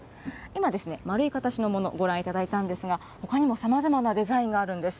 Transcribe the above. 今ですね、丸い形のもの、ご覧いただいたんですが、ほかにもさまざまなデザインがあるんです。